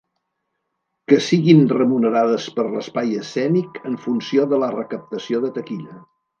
Que siguin remunerades per l'espai escènic en funció de la recaptació de taquilla.